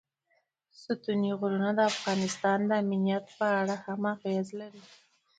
ستوني غرونه د افغانستان د امنیت په اړه هم اغېز لري.